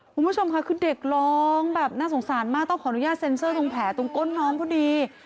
คุณผู้ชมค่ะคือเด็กร้องแบบน่าสงสารมากต้องขออนุญาตเซ็นเซอร์ตรงแผลตรงก้นน้องพอดี